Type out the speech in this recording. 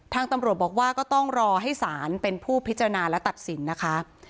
ทางตำรวจบอกว่าก็ต้องรอให้ศาลเป็นผู้พิจารณาและตัดสินนะคะ